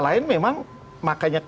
lain memang makanya